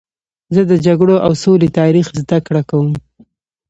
زه د جګړو او سولې تاریخ زدهکړه کوم.